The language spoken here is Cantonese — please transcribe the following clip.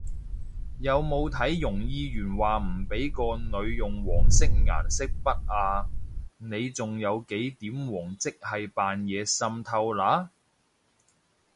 有冇睇容議員話唔畀個女用黃色顏色筆啊？你仲有幾點黃即係扮嘢滲透啦！？